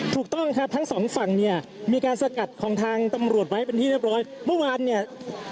ถูกต้องครับทั้งสองฝั่งมีการสกัดของทางตำรวจไว้เป็นที่เรียบร้อย